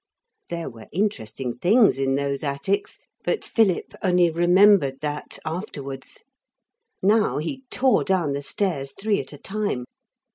There were interesting things in those attics, but Philip only remembered that afterwards. Now he tore down the stairs three at a time.